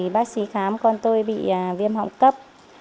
bác sĩ khám con tôi bị viêm họng cấp